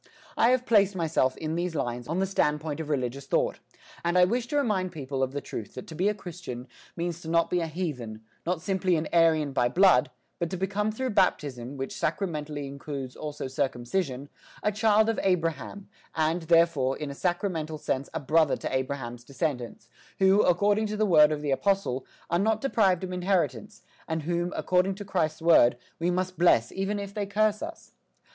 I have placed myself, in these lines, on the standpoint of religious thought, and I wish to remind people of the truth that to be a Christian means to be not a heathen, not simply an Aryan by blood, but to become through baptism, which sacramentally includes also circumcision, a child of Abraham, and, therefore, in a sacramental sense a brother to Abraham's descendants, who, according to the word of the apostle, are not deprived of inheritance, and whom, according to Christ's word, we must bless even if they curse us.